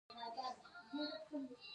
ایا زه باید شین چای وڅښم؟